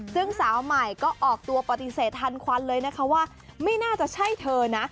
ซึ่งสาวใหม่ก็ออกตัวปฏิเสธทันควันเลยนะคะว่าไม่น่าจะใช่เธอนะ